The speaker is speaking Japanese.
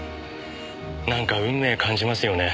なんか運命感じますよね。